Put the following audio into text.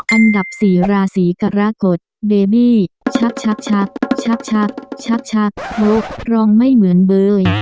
อันดับสีราศีกรกฎเบบีชักโรครองไม่เหมือนเบย